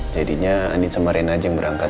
jadinya andin sama rena aja yang berangkat